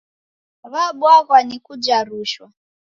W'abwaghwa ni kuja rushwa.